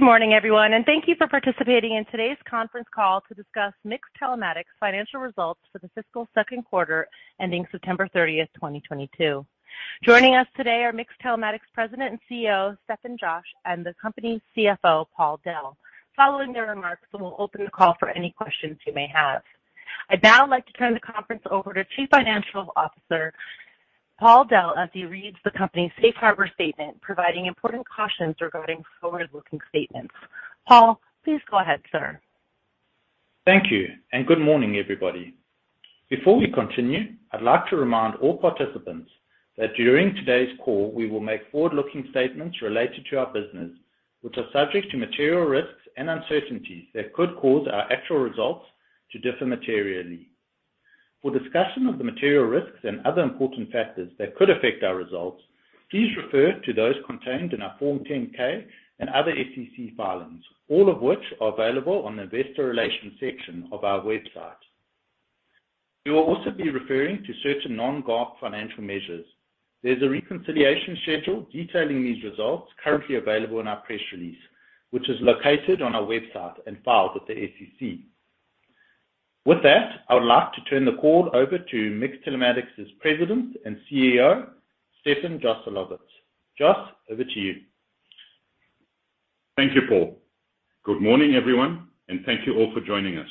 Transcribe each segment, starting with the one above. Good morning, everyone, and thank you for participating in today's conference call to discuss MiX Telematics Financial Results for The Fiscal Q2 Ending 30 September 2022. Joining us today are MiX Telematics President and CEO, Stefan Joselowitz, and the company's CFO, Paul Dell. Following their remarks, we will open the call for any questions you may have. I'd now like to turn the conference over to Chief Financial Officer, Paul Dell, as he reads the company's safe harbor statement, providing important cautions regarding forward-looking statements. Paul, please go ahead, sir. Thank you, and good morning, everybody. Before we continue, I'd like to remind all participants that during today's call, we will make forward-looking statements related to our business, which are subject to material risks and uncertainties that could cause our actual results to differ materially. For discussion of the material risks and other important factors that could affect our results, please refer to those contained in our Form 10-K and other SEC filings, all of which are available on the investor relations section of our website. We will also be referring to certain non-GAAP financial measures. There's a reconciliation schedule detailing these results currently available in our press release, which is located on our website and filed with the SEC. With that, I would like to turn the call over to MiX Telematics' President and CEO, Stefan Joselowitz. Joss, over to you. Thank you, Paul. Good morning, everyone, and thank you all for joining us.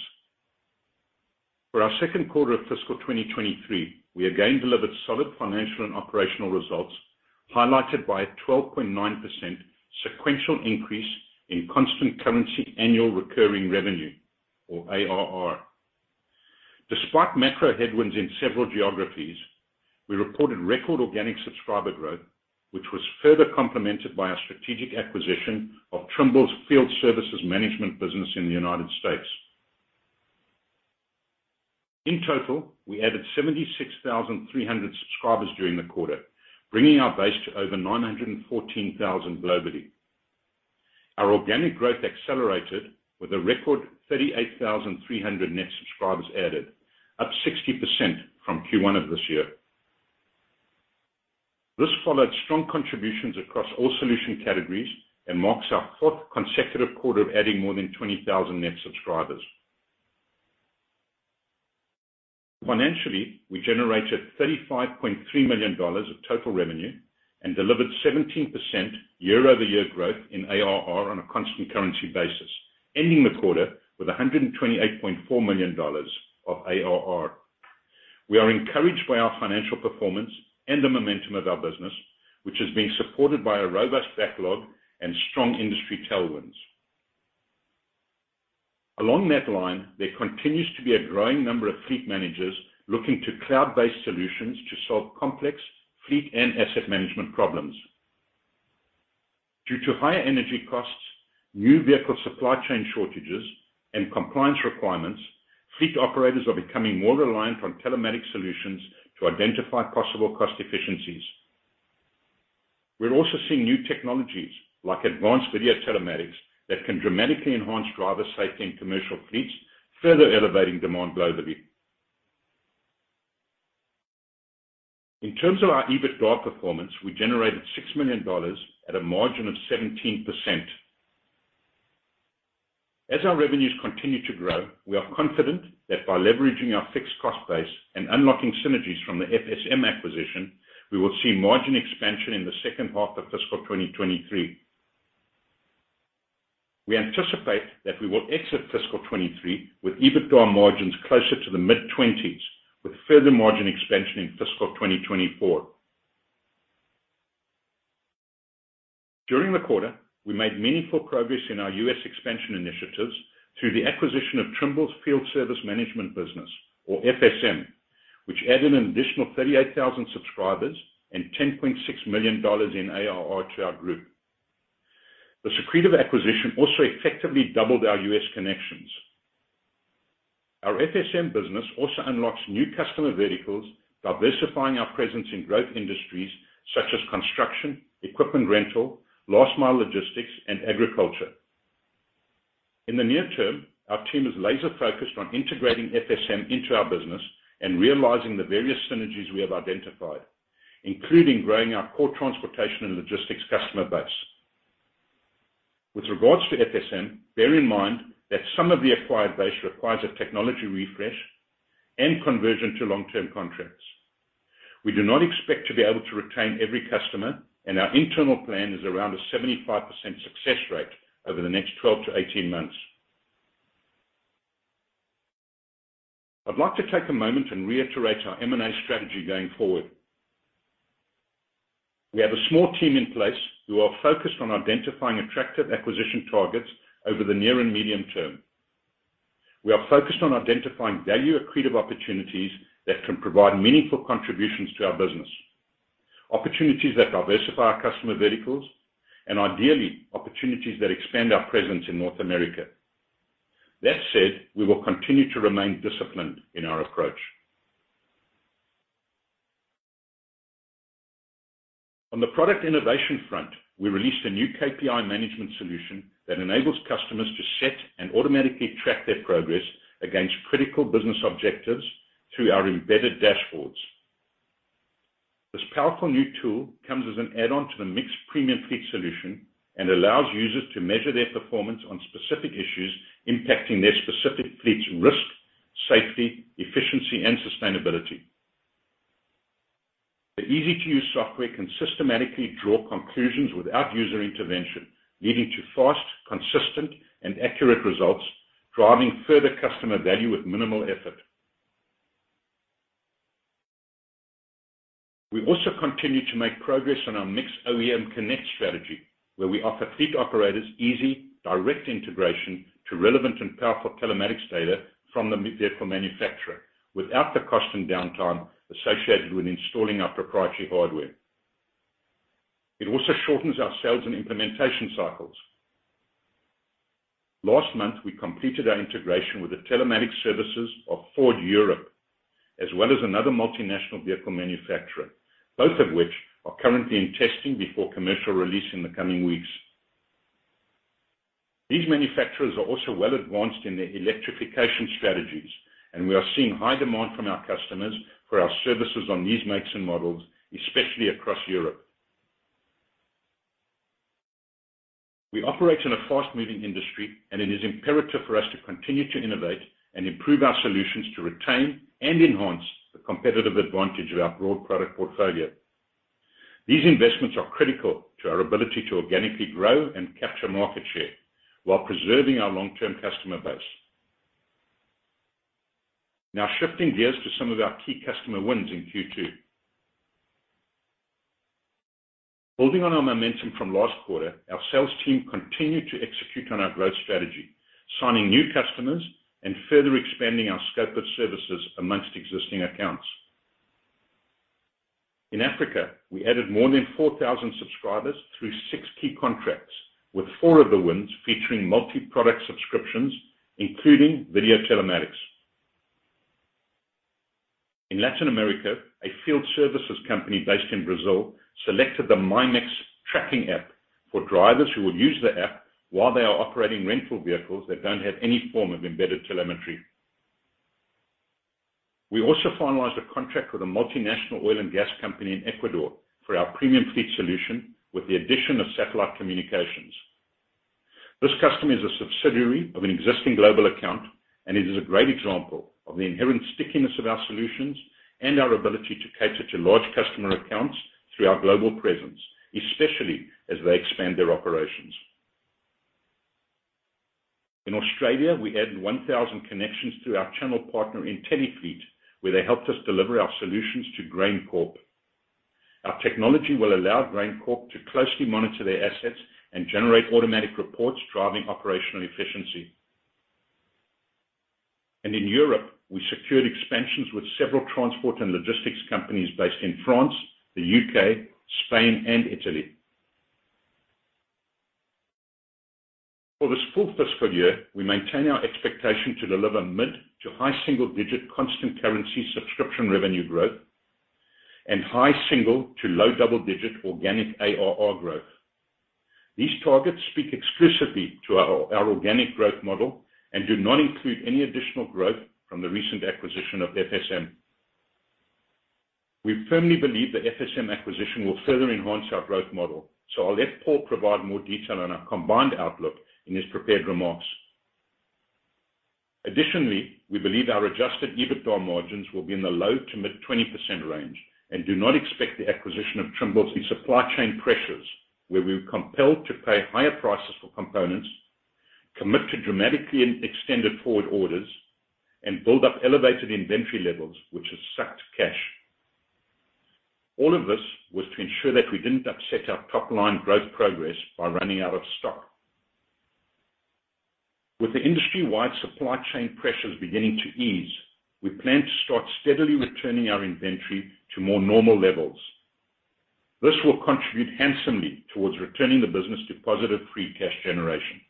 For our Q2 of fiscal 2023, we again delivered solid financial and operational results, highlighted by a 12.9% sequential increase in constant currency annual recurring revenue or ARR. Despite macro headwinds in several geographies, we reported record organic subscriber growth, which was further complemented by our strategic acquisition of Trimble's Field Service Management business in the United States. In total, we added 76,300 subscribers during the quarter, bringing our base to over 914,000 globally. Our organic growth accelerated with a record 38,300 net subscribers added, up 60% from Q1 of this year. This followed strong contributions across all solution categories and marks our fourth consecutive quarter of adding more than 20,000 net subscribers. Financially, we generated $35.3 million of total revenue and delivered 17% year-over-year growth in ARR on a constant currency basis, ending the quarter with $128.4 million of ARR. We are encouraged by our financial performance and the momentum of our business, which is being supported by a robust backlog and strong industry tailwinds. Along that line, there continues to be a growing number of fleet managers looking to cloud-based solutions to solve complex fleet and asset management problems. Due to higher energy costs, new vehicle supply chain shortages, and compliance requirements, fleet operators are becoming more reliant on telematics solutions to identify possible cost efficiencies. We're also seeing new technologies like advanced video telematics that can dramatically enhance driver safety in commercial fleets, further elevating demand globally. In terms of our EBITDA performance, we generated $6 million at a margin of 17%. Our revenues continue to grow. We are confident that by leveraging our fixed cost base and unlocking synergies from the FSM acquisition, we will see margin expansion in the second half of fiscal 2023. We anticipate that we will exit fiscal 2023 with EBITDA margins closer to the mid-20s, with further margin expansion in fiscal 2024. During the quarter, we made meaningful progress in our U.S. expansion initiatives through the acquisition of Trimble's Field Service Management business or FSM, which added an additional 38,000 subscribers and $10.6 million in ARR to our group. This accretive acquisition also effectively doubled our U.S. connections. Our FSM business also unlocks new customer verticals, diversifying our presence in growth industries such as construction, equipment rental, last mile logistics, and agriculture. In the near term, our team is laser-focused on integrating FSM into our business and realizing the various synergies we have identified, including growing our core transportation and logistics customer base. With regards to FSM, bear in mind that some of the acquired base requires a technology refresh and conversion to long-term contracts. We do not expect to be able to retain every customer, and our internal plan is around a 75% success rate over the next 12-18 months. I'd like to take a moment and reiterate our M&A strategy going forward. We have a small team in place who are focused on identifying attractive acquisition targets over the near and medium term. We are focused on identifying value accretive opportunities that can provide meaningful contributions to our business, opportunities that diversify our customer verticals, and ideally, opportunities that expand our presence in North America. That said, we will continue to remain disciplined in our approach. On the product innovation front, we released a new KPI management solution that enables customers to set and automatically track their progress against critical business objectives through our embedded dashboards. This powerful new tool comes as an add-on to the MiX Premium Fleet solution and allows users to measure their performance on specific issues impacting their specific fleet's risk, safety, efficiency, and sustainability. The easy-to-use software can systematically draw conclusions without user intervention, leading to fast, consistent, and accurate results, driving further customer value with minimal effort. We also continue to make progress on our MiX OEM Connect strategy, where we offer fleet operators easy, direct integration to relevant and powerful telematics data from the vehicle manufacturer without the cost and downtime associated with installing our proprietary hardware. It also shortens our sales and implementation cycles. Last month, we completed our integration with the telematics services of Ford Europe, as well as another multinational vehicle manufacturer, both of which are currently in testing before commercial release in the coming weeks. These manufacturers are also well advanced in their electrification strategies, and we are seeing high demand from our customers for our services on these makes and models, especially across Europe. We operate in a fast-moving industry, and it is imperative for us to continue to innovate and improve our solutions to retain and enhance the competitive advantage of our broad product portfolio. These investments are critical to our ability to organically grow and capture market share while preserving our long-term customer base. Now shifting gears to some of our key customer wins in Q2. Building on our momentum from last quarter, our sales team continued to execute on our growth strategy, signing new customers and further expanding our scope of services among existing accounts. In Africa, we added more than 4,000 subscribers through six key contracts, with four of the wins featuring multi-product subscriptions, including video telematics. In Latin America, a field services company based in Brazil selected the MyMiX Tracking App for drivers who will use the app while they are operating rental vehicles that don't have any form of embedded telemetry. We also finalized a contract with a multinational oil and gas company in Ecuador for our premium fleet solution with the addition of satellite communications. This customer is a subsidiary of an existing global account, and it is a great example of the inherent stickiness of our solutions and our ability to cater to large customer accounts through our global presence, especially as they expand their operations. In Australia, we added 1,000 connections through our channel partner Intellielefleet, where they helped us deliver our solutions to GrainCorp. Our technology will allow GrainCorp to closely monitor their assets and generate automatic reports, driving operational efficiency. In Europe, we secured expansions with several transport and logistics companies based in France, the U.K., Spain, and Italy. For this full fiscal year, we maintain our expectation to deliver mid to high single-digit constant currency subscription revenue growth and high single to low double-digit organic ARR growth. These targets speak explicitly to our organic growth model and do not include any additional growth from the recent acquisition of FSM. We firmly believe the FSM acquisition will further enhance our growth model, so I'll let Paul provide more detail on our combined outlook in his prepared remarks. Additionally, we believe our adjusted EBITDA margins will be in the low-to-mid 20% range and do not expect the acquisition to be troubled by supply chain pressures, where we were compelled to pay higher prices for components, commit to dramatically extended forward orders, and build up elevated inventory levels, which has sucked cash. All of this was to ensure that we didn't upset our top-line growth progress by running out of stock. With the industry-wide supply chain pressures beginning to ease, we plan to start steadily returning our inventory to more normal levels. This will contribute handsomely towards returning the business to positive free cash generation.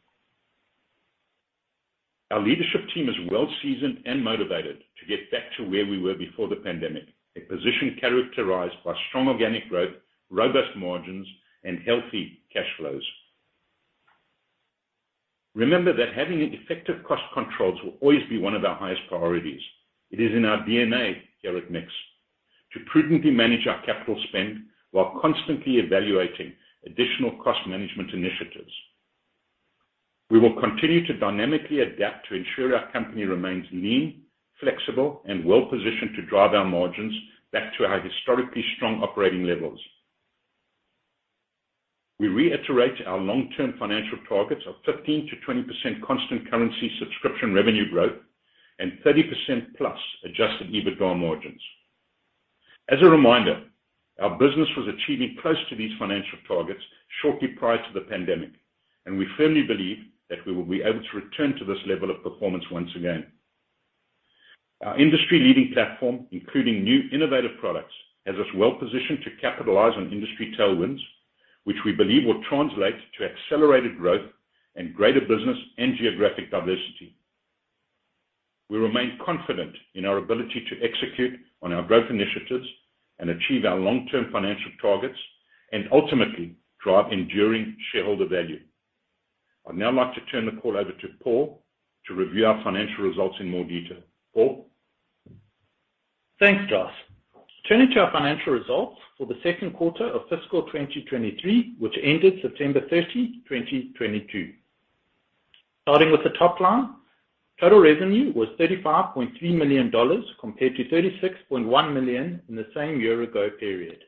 Our leadership team is well seasoned and motivated to get back to where we were before the pandemic, a position characterized by strong organic growth, robust margins, and healthy cash flows. Remember that having effective cost controls will always be one of our highest priorities. It is in our DNA here at MiX to prudently manage our capital spend while constantly evaluating additional cost management initiatives. We will continue to dynamically adapt to ensure our company remains lean, flexible, and well-positioned to drive our margins back to our historically strong operating levels. We reiterate our long-term financial targets of 15%-20% constant currency subscription revenue growth and 30%+ adjusted EBITDA margins. As a reminder, our business was achieving close to these financial targets shortly prior to the pandemic, and we firmly believe that we will be able to return to this level of performance once again. Our industry-leading platform, including new innovative products, has us well positioned to capitalize on industry tailwinds, which we believe will translate to accelerated growth and greater business and geographic diversity. We remain confident in our ability to execute on our growth initiatives and achieve our long-term financial targets, and ultimately drive enduring shareholder value. I'd now like to turn the call over to Paul to review our financial results in more detail. Paul? Thanks, Joss. Turning to our financial results for the Q2 of fiscal 2023, which ended 30 September 2022. Starting with the top line, total revenue was $35.3 million compared to $36.1 million in the same year ago period.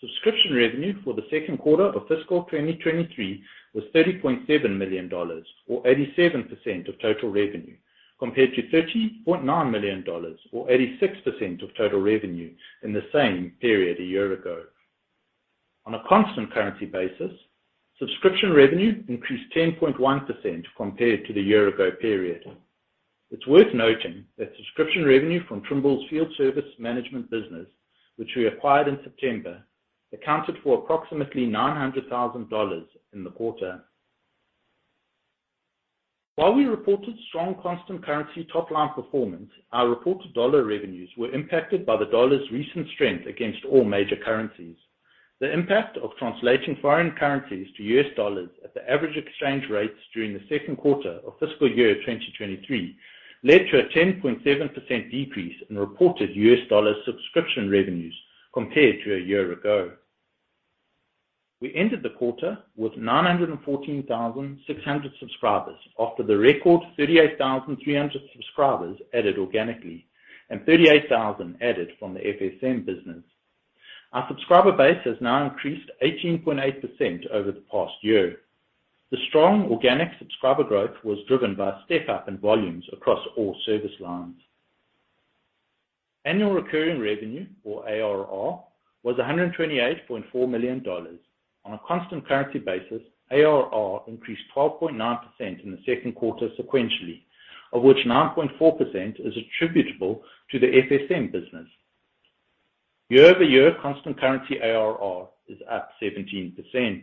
Subscription revenue for the Q2 of fiscal 2023 was $30.7 million or 87% of total revenue, compared to $30.9 million or 86% of total revenue in the same period a year ago. On a constant currency basis, subscription revenue increased 10.1% compared to the year ago period. It's worth noting that subscription revenue from Trimble's Field Service Management business, which we acquired in September, accounted for approximately $900,000 in the quarter. While we reported strong constant currency top line performance, our reported dollar revenues were impacted by the dollar's recent strength against all major currencies. The impact of translating foreign currencies to U.S. dollars at the average exchange rates during the Q2 of fiscal year 2023 led to a 10.7% decrease in reported U.S. dollar subscription revenues compared to a year ago. We ended the quarter with 914,600 subscribers after the record 38,300 subscribers added organically and 38,000 added from the FSM business. Our subscriber base has now increased 18.8% over the past year. The strong organic subscriber growth was driven by a step up in volumes across all service lines. Annual recurring revenue or ARR was $128.4 million. On a constant currency basis, ARR increased 12.9% in the Q2 sequentially, of which 9.4% is attributable to the FSM business. Year-over-year constant currency ARR is up 17%.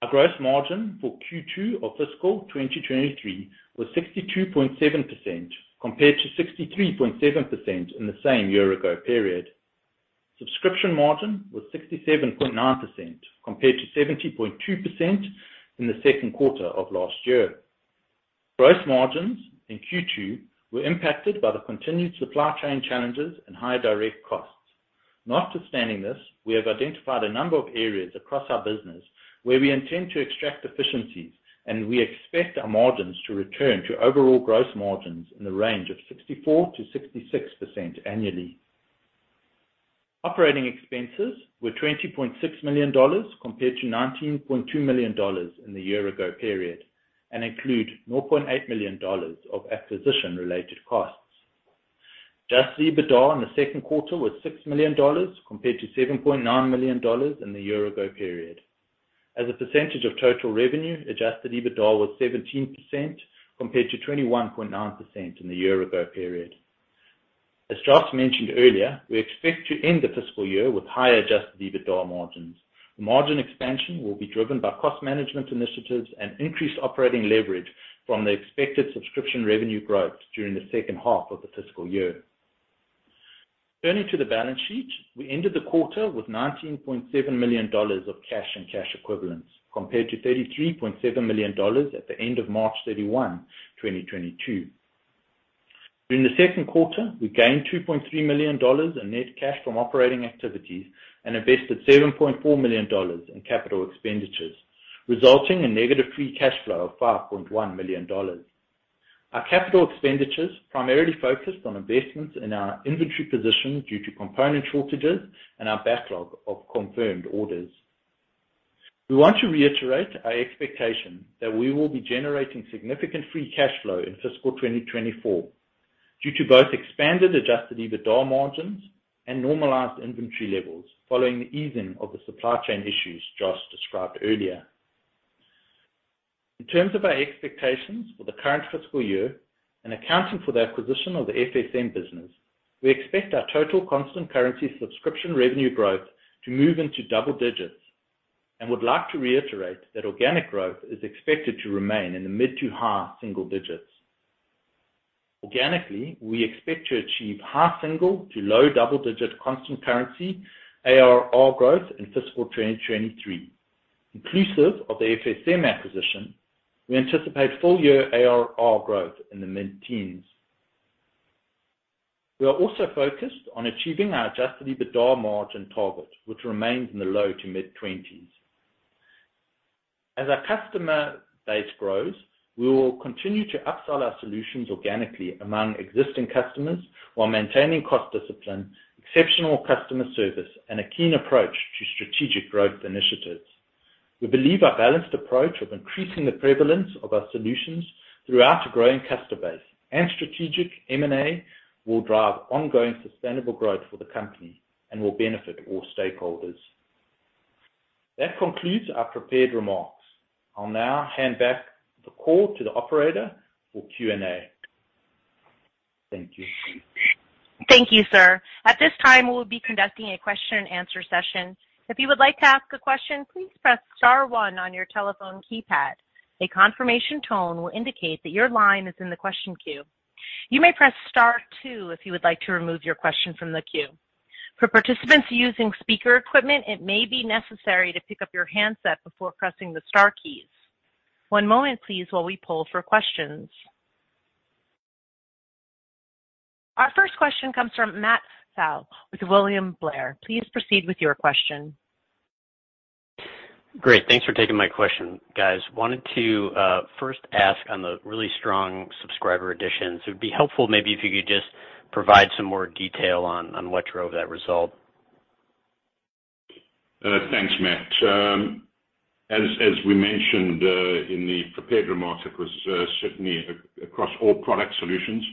Our gross margin for Q2 of fiscal 2023 was 62.7% compared to 63.7% in the same year ago period. Subscription margin was 67.9% compared to 70.2% in the Q2 of last year. Gross margins in Q2 were impacted by the continued supply chain challenges and higher direct costs. Notwithstanding this, we have identified a number of areas across our business where we intend to extract efficiencies, and we expect our margins to return to overall gross margins in the range of 64%-66% annually. Operating expenses were $20.6 million compared to $19.2 million in the year ago period, and include $4.8 million of acquisition-related costs. Adjusted EBITDA in the Q2 was $6 million compared to $7.9 million in the year ago period. As a percentage of total revenue, adjusted EBITDA was 17% compared to 21.9% in the year ago period. As Joss mentioned earlier, we expect to end the fiscal year with higher adjusted EBITDA margins. The margin expansion will be driven by cost management initiatives and increased operating leverage from the expected subscription revenue growth during the second half of the fiscal year. Turning to the balance sheet, we ended the quarter with $19.7 million of cash and cash equivalents, compared to $33.7 million at the end of March 31, 2022. During the Q2, we gained $2.3 million in net cash from operating activities and invested $7.4 million in capital expenditures, resulting in negative free cash flow of $5.1 million. Our capital expenditures primarily focused on investments in our inventory positions due to component shortages and our backlog of confirmed orders. We want to reiterate our expectation that we will be generating significant free cash flow in fiscal 2024 due to both expanded adjusted EBITDA margins and normalized inventory levels following the easing of the supply chain issues Joss described earlier. In terms of our expectations for the current fiscal year and accounting for the acquisition of the FSM business, we expect our total constant currency subscription revenue growth to move into double digits and would like to reiterate that organic growth is expected to remain in the mid to high single digits. Organically, we expect to achieve high single to low double-digit constant currency ARR growth in fiscal 2023. Inclusive of the FSM acquisition, we anticipate full year ARR growth in the mid-teens. We are also focused on achieving our adjusted EBITDA margin target, which remains in the low to mid-twenties. As our customer base grows, we will continue to upsell our solutions organically among existing customers while maintaining cost discipline, exceptional customer service, and a keen approach to strategic growth initiatives. We believe our balanced approach of increasing the prevalence of our solutions throughout a growing customer base and strategic M&A will drive ongoing sustainable growth for the company and will benefit all stakeholders. That concludes our prepared remarks. I'll now hand back the call to the operator for Q&A. Thank you. Thank you, sir. At this time, we'll be conducting a question and answer session. If you would like to ask a question, please press star one on your telephone keypad. A confirmation tone will indicate that your line is in the question queue. You may press star two if you would like to remove your question from the queue. For participants using speaker equipment, it may be necessary to pick up your handset before pressing the star keys. One moment please while we poll for questions. Our first question comes from Matt Pfau with William Blair. Please proceed with your question. Great. Thanks for taking my question, guys. Wanted to first ask on the really strong subscriber additions. It would be helpful maybe if you could just provide some more detail on what drove that result. Thanks, Matt. As we mentioned in the prepared remarks, it was certainly across all product solutions.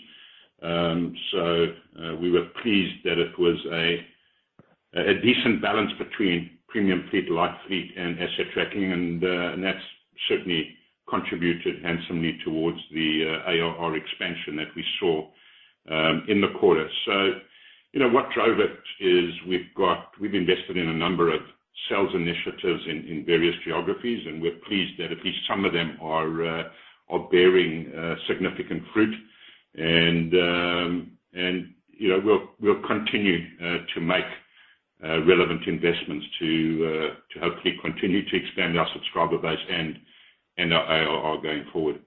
We were pleased that it was a decent balance between premium fleet, light fleet, and asset tracking. That's certainly contributed handsomely towards the ARR expansion that we saw in the quarter. You know what drove it is we've invested in a number of sales initiatives in various geographies, and we're pleased that at least some of them are bearing significant fruit. You know, we'll continue to make relevant investments to help keep continuing to expand our subscriber base and our ARR going forward.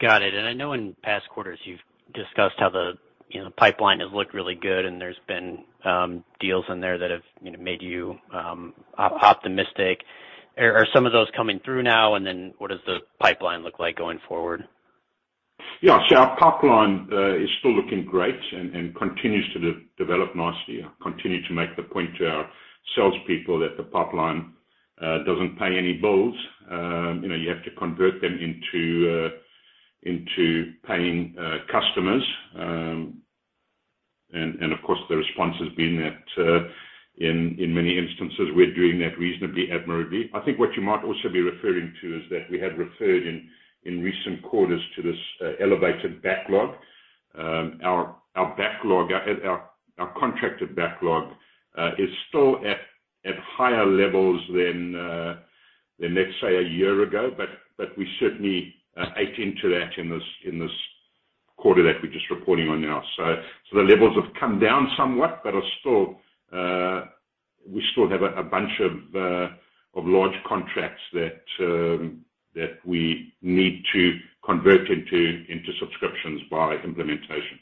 Got it. I know in past quarters you've discussed how the, you know, pipeline has looked really good and there's been deals in there that have, you know, made you optimistic. Are some of those coming through now? What does the pipeline look like going forward? Yeah. Our pipeline is still looking great and continues to develop nicely. I continue to make the point to our salespeople that the pipeline doesn't pay any bills. You know, you have to convert them into paying customers. Of course, the response has been that in many instances we're doing that reasonably admirably. I think what you might also be referring to is that we had referred in recent quarters to this elevated backlog. Our contracted backlog is still at higher levels than, let's say, a year ago. We certainly ate into that in this quarter that we're just reporting on now. The levels have come down somewhat, but are still we still have a bunch of large contracts that we need to convert into subscriptions by implementation.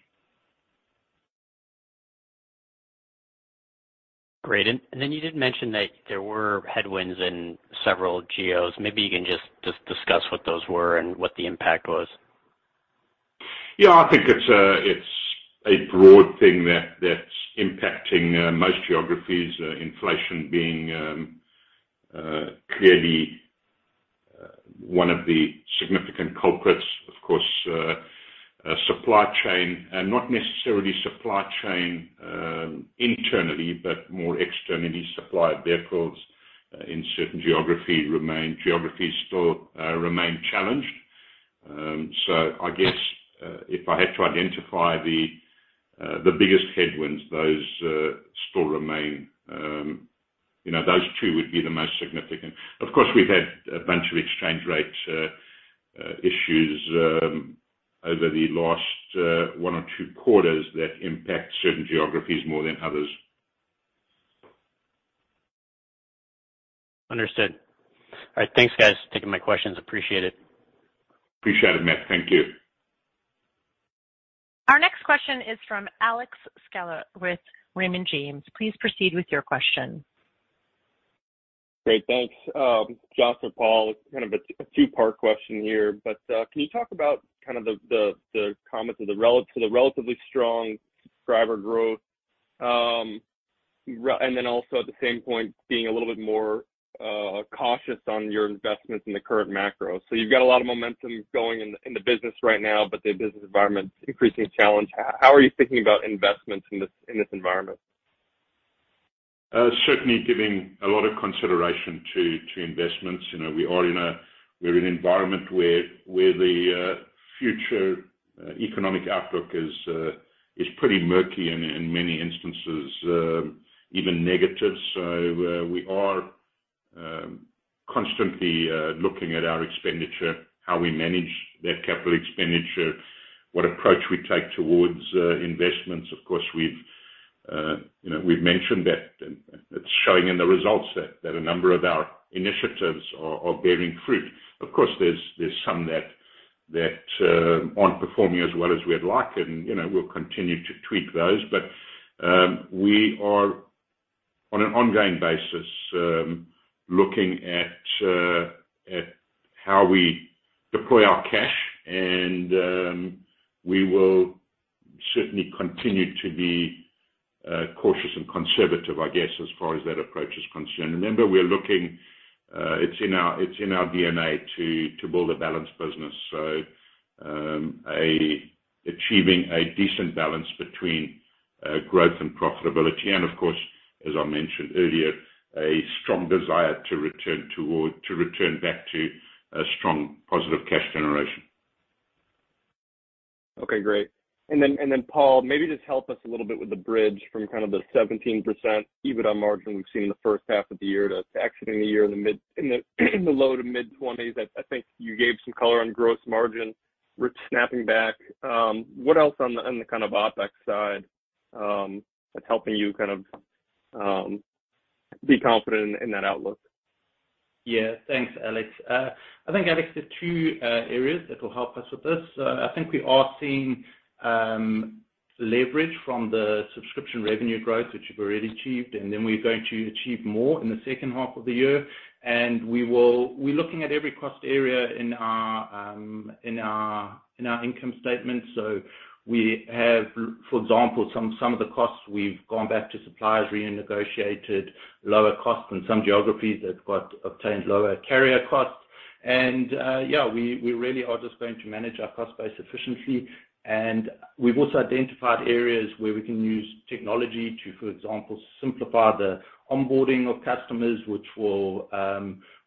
Great. You did mention that there were headwinds in several geos. Maybe you can just discuss what those were and what the impact was. Yeah, I think it's a broad thing that's impacting most geographies. Inflation being clearly one of the significant culprits, of course, supply chain. Not necessarily supply chain internally, but more externally. Supply of vehicles in certain geographies still remain challenged. I guess if I had to identify the biggest headwinds, those still remain. You know, those two would be the most significant. Of course, we've had a bunch of exchange rate issues over the last one or two quarters that impact certain geographies more than others. Understood. All right. Thanks, guys, for taking my questions. Appreciate it. Appreciate it, Matt. Thank you. Our next question is from Alex Sklar with Raymond James. Please proceed with your question. Great, thanks. Joss and Paul, kind of a two-part question here, but can you talk about kind of the comments on the relatively strong driver growth? And then also at the same point, being a little bit more cautious on your investments in the current macro. You've got a lot of momentum going in the business right now, but the business environment's increasingly challenging. How are you thinking about investments in this environment? Certainly giving a lot of consideration to investments. You know, we're in an environment where the future economic outlook is pretty murky and in many instances even negative. We are constantly looking at our expenditure, how we manage that capital expenditure, what approach we take towards investments. Of course, you know, we've mentioned that it's showing in the results that a number of our initiatives are bearing fruit. Of course, there's some that aren't performing as well as we'd like. You know, we'll continue to tweak those. We are on an ongoing basis looking at how we deploy our cash. We will certainly continue to be cautious and conservative, I guess, as far as that approach is concerned. Remember, we're looking, it's in our DNA to build a balanced business. Achieving a decent balance between growth and profitability. Of course, as I mentioned earlier, a strong desire to return back to a strong positive cash generation. Okay, great. Paul, maybe just help us a little bit with the bridge from kind of the 17% EBITDA margin we've seen in the first half of the year to exiting the year in the low to mid-20s%. I think you gave some color on gross margin snapping back. What else on the kind of OpEx side that's helping you kind of be confident in that outlook? Yeah, thanks, Alex. I think, Alex, there are two areas that will help us with this. I think we are seeing leverage from the subscription revenue growth that you've already achieved, and then we're going to achieve more in the second half of the year. We're looking at every cost area in our income statement. We have, for example, some of the costs we've gone back to suppliers, renegotiated lower costs in some geographies that got us lower carrier costs. We really are just going to manage our cost base efficiently. We've also identified areas where we can use technology to, for example, simplify the onboarding of customers, which will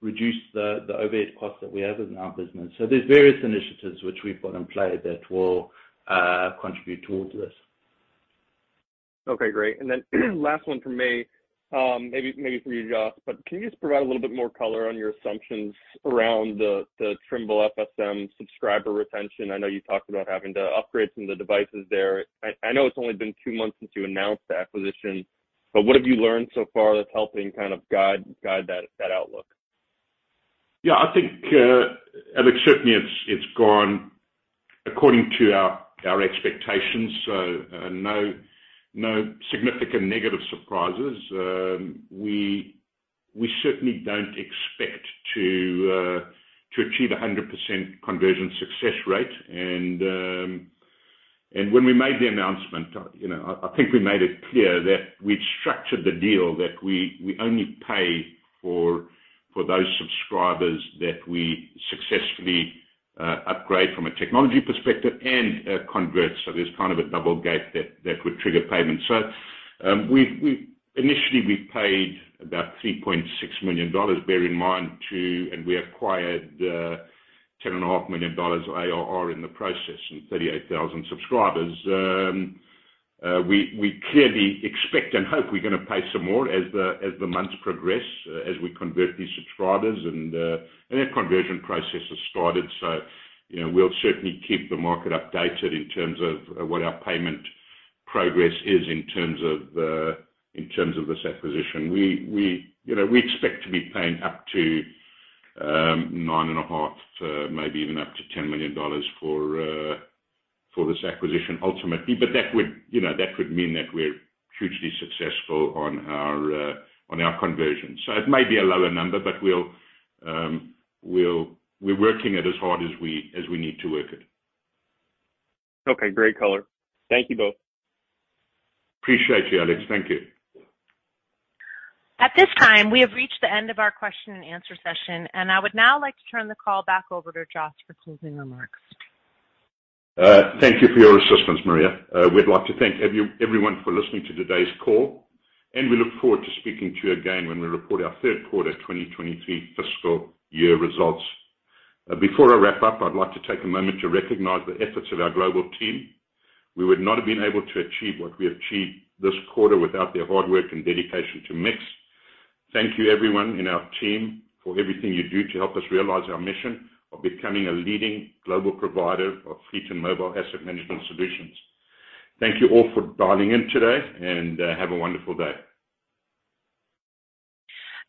reduce the overhead costs that we have in our business. There's various initiatives which we've got in play that will contribute towards this. Okay, great. Last one from me, maybe for you, Joss, but can you just provide a little bit more color on your assumptions around the Trimble FSM subscriber retention? I know you talked about having to upgrade some of the devices there. I know it's only been two months since you announced the acquisition, but what have you learned so far that's helping kind of guide that outlook? Yeah, I think, Alex, certainly it's gone according to our expectations, so no significant negative surprises. We certainly don't expect to achieve 100% conversion success rate. When we made the announcement, you know, I think we made it clear that we'd structured the deal that we only pay for those subscribers that we successfully upgrade from a technology perspective and convert. There's kind of a double gate that would trigger payments. We've initially paid about $3.6 million, bear in mind too, and we acquired $10.5 million ARR in the process and 38,000 subscribers. We clearly expect and hope we're gonna pay some more as the months progress, as we convert these subscribers and that conversion process has started. You know, we'll certainly keep the market updated in terms of what our payment progress is in terms of this acquisition. You know, we expect to be paying up to $9.5 million to maybe even up to $10 million for this acquisition ultimately. That would, you know, mean that we're hugely successful on our conversion. It may be a lower number, but we're working it as hard as we need to work it. Okay, great color. Thank you both. Appreciate you, Alex. Thank you. At this time, we have reached the end of our question and answer session, and I would now like to turn the call back over to Joss for closing remarks. Thank you for your assistance, Maria. We'd like to thank everyone for listening to today's call, and we look forward to speaking to you again when we report our Q3 2023 fiscal year results. Before I wrap up, I'd like to take a moment to recognize the efforts of our global team. We would not have been able to achieve what we achieved this quarter without their hard work and dedication to MiX. Thank you everyone in our team for everything you do to help us realize our mission of becoming a leading global provider of fleet and mobile asset management solutions. Thank you all for dialing in today and have a wonderful day.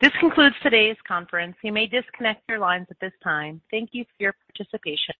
This concludes today's conference. You may disconnect your lines at this time. Thank you for your participation.